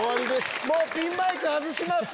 もうピンマイク外します。